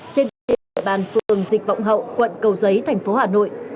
trên đề bàn phường dịch vọng hậu quận cầu giấy tp hà nội